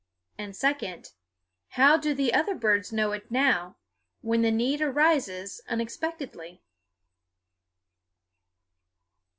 and, second, How do the other birds know it now, when the need arises unexpectedly?